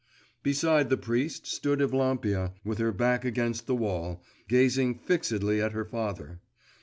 Beside the priest, stood Evlampia with her back against the wall, gazing fixedly at her father.